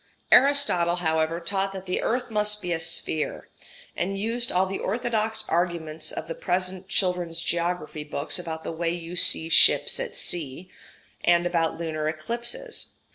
] Aristotle, however, taught that the earth must be a sphere, and used all the orthodox arguments of the present children's geography books about the way you see ships at sea, and about lunar eclipses.